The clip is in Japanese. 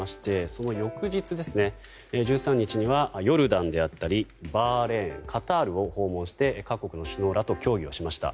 その翌日、１３日にはヨルダンであったりバーレーン、カタールを訪問して各国の首脳らと協議をしました。